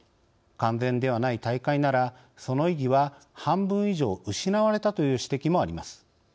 完全ではない大会ならその意義は半分以上失われたという指摘もあります。